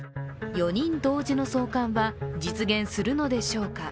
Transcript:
４人同時の送還は実現するのでしょうか。